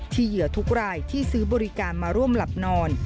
เหยื่อทุกรายที่ซื้อบริการมาร่วมหลับนอน